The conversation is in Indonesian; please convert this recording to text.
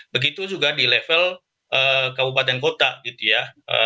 begitu juga di level kabupaten kota gitu ya